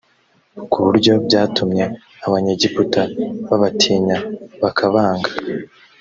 ku buryo byatumye abanyegiputa babatinya bakabanga